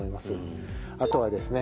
あとはですね